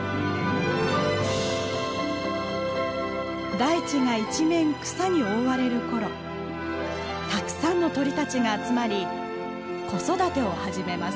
台地が一面草に覆われる頃たくさんの鳥たちが集まり子育てを始めます。